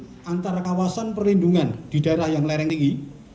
di antara kawasan perlindungan di daerah yang lereng tinggi